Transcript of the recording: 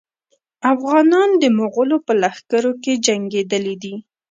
افغانان د مغولو په لښکرو کې جنګېدلي دي.